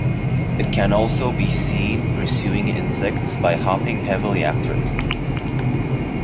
It can also be seen pursuing insects by hopping heavily after it.